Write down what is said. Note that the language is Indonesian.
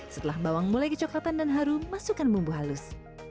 setelah bawang mulai kecoklatan dan harum masukkan bumbu halus